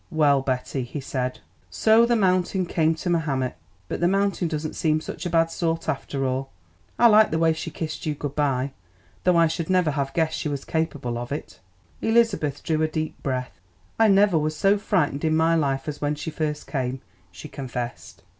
"Well, Betty," he said, "so the mountain came to Mahomet? But the mountain doesn't seem such a bad sort, after all. I liked the way she kissed you good bye, though I should never have guessed she was capable of it." Elizabeth drew a deep breath. "I never was so frightened in my life as when she first came," she confessed.